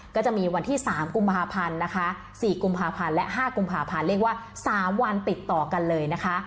ก็จะมีวันที่๓กุมภาพันธ์นะคะ๔กุมภาพันธ์และ๕กุมภาพันธ์เรียกว่า๓วันติดต่อกันเลยนะคะ